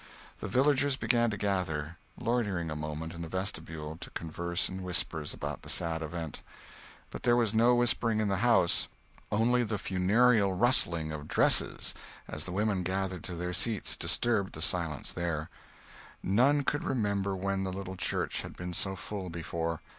The villagers began to gather, loitering a moment in the vestibule to converse in whispers about the sad event. But there was no whispering in the house; only the funereal rustling of dresses as the women gathered to their seats disturbed the silence there. None could remember when the little church had been so full before.